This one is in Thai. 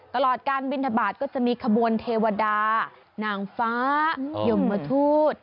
ตลอดการบินทบาทก็จะมีขบวนเทวดานางฟ้ายมทูต